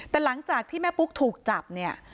แต่หลังจากที่แม่ปุ๊กถูกจับเนี่ย